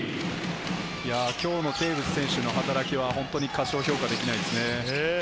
今日のテーブス選手の働きは本当に過小評価できないですね。